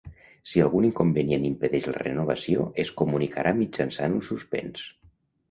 Si algun inconvenient impedeix la renovació, es comunicarà mitjançant un suspens.